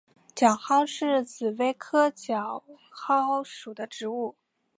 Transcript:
角蒿是紫葳科角蒿属的植物。